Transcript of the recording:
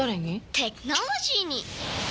テクノロジーに！